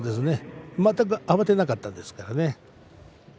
全く慌てなかったですからね。